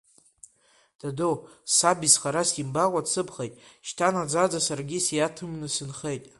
Даду, саб изхара симбакәа дсыԥхеит, шьҭа наӡаӡа саргьы сиаҭымны сынхеит.